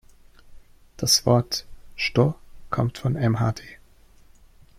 Das Wort "sto" kommt von mhd.